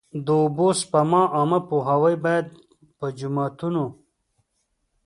د اوبو سپما عامه پوهاوی باید په جوماتونو.